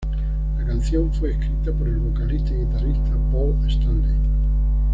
La canción fue escrita por el vocalista y guitarrista Paul Stanley.